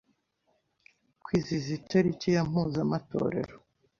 kwizihiza tariki ya mpuzamatorero